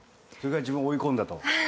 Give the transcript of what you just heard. それぐらい自分を追い込んだと。